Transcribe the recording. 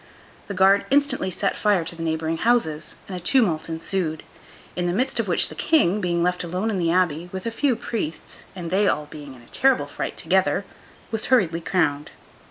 The guard instantly set fire to the neighbouring houses, and a tumult ensued; in the midst of which the King, being left alone in the Abbey, with a few priests (and they all being in a terrible fright together), was hurriedly crowned.